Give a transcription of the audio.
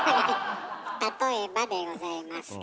例えばでございますが。